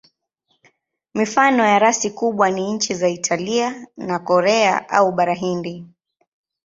Mifano ya rasi kubwa ni nchi za Italia na Korea au Bara Hindi.